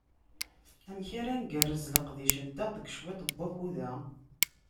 Amek ara ngerrez leqdic-nteɣ deg cwiṭ n wakud-a?